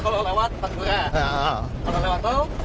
kalau lewat apa